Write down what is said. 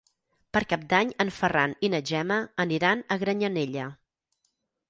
Per Cap d'Any en Ferran i na Gemma aniran a Granyanella.